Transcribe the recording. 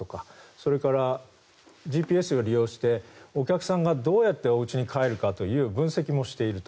それからＧＰＳを利用してお客さんがどうやっておうちに帰るかという分析もしていると。